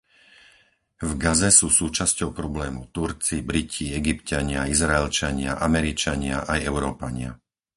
V Gaze sú súčasťou problému Turci, Briti, Egypťania, Izraelčania, Američania aj Európania.